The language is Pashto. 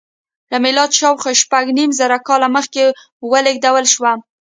له میلاده شاوخوا شپږ نیم زره کاله مخکې ولېږدول شوه.